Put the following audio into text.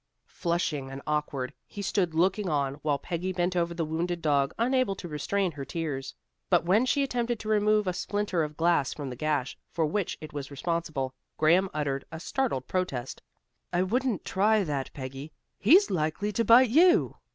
Flushing and awkward, he stood looking on while Peggy bent over the wounded dog, unable to restrain her tears. But when she attempted to remove a splinter of glass from the gash for which it was responsible, Graham uttered a startled protest. "I wouldn't try that, Peggy. He's likely to bite you."